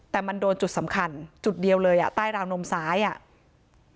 แต่มันโดนจุดสำคัญจุดเดียวเลยอ่ะใต้ราวนมซ้ายอ่ะ